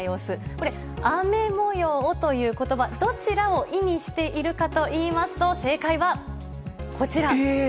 これ、雨模様という言葉どちらを意味しているかといいますと正解は、こちら。